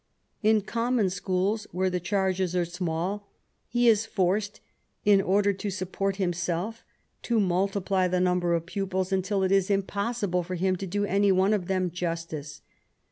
In common schools, where the charges are small, he is forced, in order to support himself, to multiply the number of pupils until it is impossible for him to do any one of them justice.